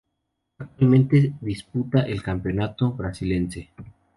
Actualmente disputa el Campeonato Brasiliense.